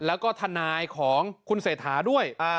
แล้วก็ทนายของคุณเศรษฐาด้วย